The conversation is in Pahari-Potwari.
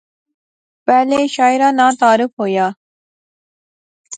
پہلے شاعریں ناں تعارف ہویا